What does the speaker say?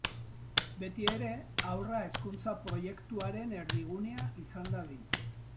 Betiere, haurra hezkuntza proiektuaren erdigunea izan dadin.